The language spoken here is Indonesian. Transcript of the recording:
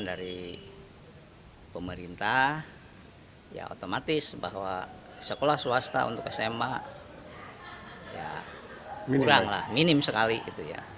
dari pemerintah ya otomatis bahwa sekolah swasta untuk sma ya kurang lah minim sekali gitu ya